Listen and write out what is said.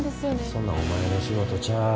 そんなんお前の仕事ちゃう。